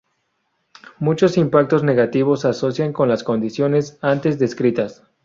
Muchos impactos negativos se asocian con las condiciones antes descritas.